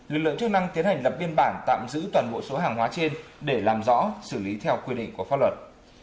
lực lượng chức năng tiến hành lập biên bản tạm giữ toàn bộ số hàng hóa trên để làm rõ xử lý theo quy định của pháp luật